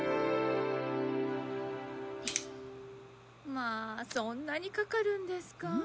まあそんなにかかるんですか。